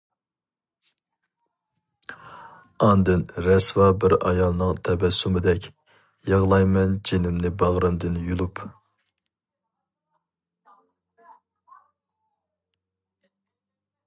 ئاندىن رەسۋا بىر ئايالنىڭ تەبەسسۇمىدەك، يىغلايمەن جېنىمنى باغرىمدىن يۇلۇپ.